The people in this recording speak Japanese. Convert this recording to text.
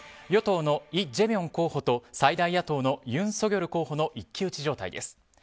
与党のイ・ジェミョン候補と最大野党のユン・ソギョル候補の一騎打ち状態です。